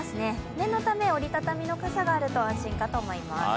念のため、折り畳みの傘があると安心かと思います。